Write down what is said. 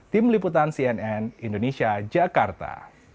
tim liputan cnn indonesia jakarta